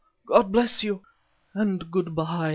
God bless you... and good by..."